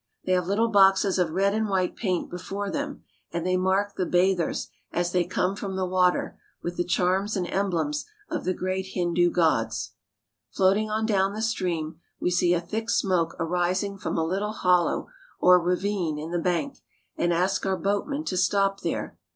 They have little boxes of red and white paint before them, and they mark the bathers, as they come from the water, with the charms and emblems of the great Hindu gods. Floating on down the stream, we see a thick smoke aris ing from a little hollow or ravine in the bank, and ask our THE RELIGIONS OF INDIA 283 boatman to stop there.